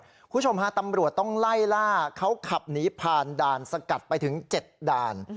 คุณผู้ชมฮะตำรวจต้องไล่ล่าเขาขับหนีผ่านด่านสกัดไปถึง๗ด่าน